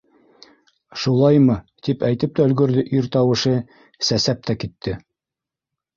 - Шулаймы... - тип әйтеп тә өлгөрҙө ир тауышы, сәсәп тә китте.